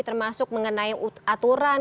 termasuk mengenai aturan